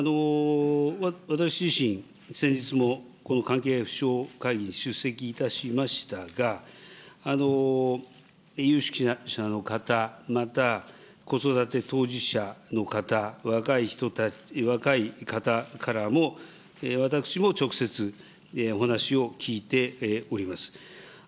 私自身、先日もこの関係府省会議に出席いたしましたが、有識者の方、また子育て当事者の方、若い方からも、私も直接お話を聞いております。